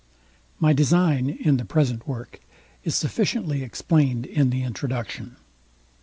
My design in the present work is sufficiently explained in the Introduction.